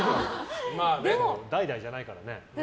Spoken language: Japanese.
代々じゃないからね。